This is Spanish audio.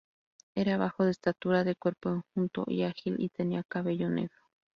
Era bajo de estatura, de cuerpo enjuto y ágil, y tenía cabello negro.